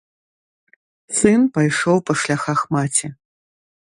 Сын пайшоў па шляхах маці.